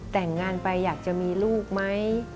แต่งงานไปอยากจะมีลูกไหม